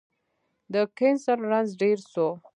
د کېنسر رنځ ډير سو